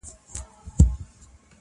• زموږ دفتحي د جشنونو -